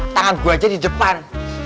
tangan gue aja di depan